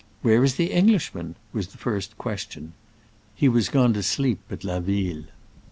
"Where is the Englishman ?" was the first ques tion. He was gone to sleep at La Ville.